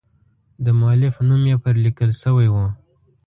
د مؤلف نوم یې پر لیکل شوی و.